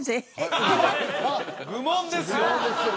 愚問ですよ